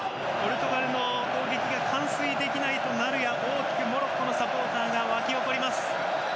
ポルトガルの攻撃が完遂できないとなるや大きくモロッコのサポーターがわき起こります。